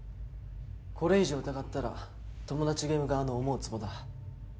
これ以上疑ったらトモダチゲーム側の思うつぼだ。